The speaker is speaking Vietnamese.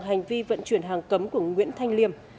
hành vi vận chuyển hàng cấm của nguyễn thanh liêm